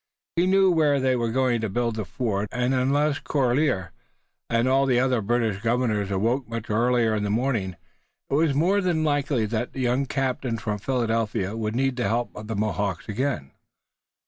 He knew where they were going to build their fort, and unless Corlear and all the other British governors awoke much earlier in the morning it was more than likely that the young captain from Philadelphia would need the help of the Mohawks again.